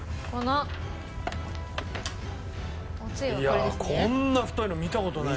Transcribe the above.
いやこんな太いの見た事ない。